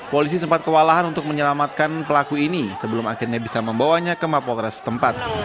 polisi sempat kewalahan untuk menyelamatkan pelaku ini sebelum akhirnya bisa membawanya ke mapolres tempat